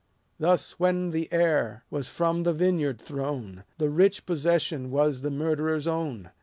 Thus when the heir was from the vineyard thrown, The rich possession was the murderer's own.